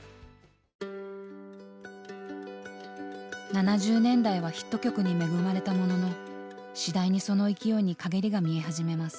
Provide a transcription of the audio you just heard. ７０年代はヒット曲に恵まれたものの次第にその勢いにかげりが見え始めます。